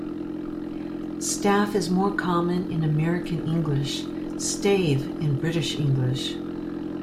"Staff" is more common in American English, "stave" in British English.